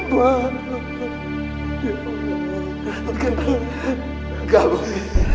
bagi rumah tabung